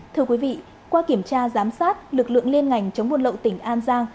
thưa quý vị qua kiểm tra giám sát lực lượng liên ngành chống buôn lậu tỉnh an giang